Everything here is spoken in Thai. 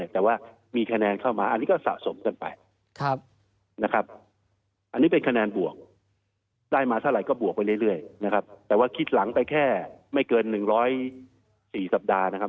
แต่ว่าคิดหลังไปแค่ไม่เกินหนึ่งร้อยสี่สัปดาห์